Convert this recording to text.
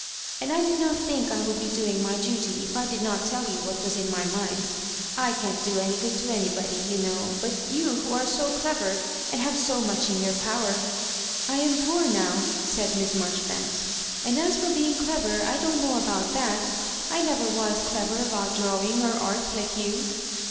and I did not think I would be doing my duty if I did not tell you what Was in my mind. / can't do any good to anybody, you know; but you who are so clever, and have so much in your power "" I am poor now,*' said Miss Maijoribanks ; *'and as for being clever, I don't know about that I never was clever about drawing or Art like you."